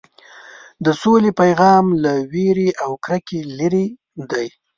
د سولې پیغام له وېرې او کرکې لرې دی.